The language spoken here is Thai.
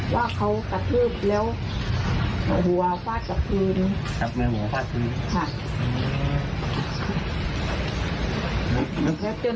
ว่าเขากระทืบแล้วหัวฟาดกับพื้น